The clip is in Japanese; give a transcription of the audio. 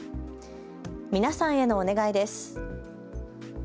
皆さんへのお願いです。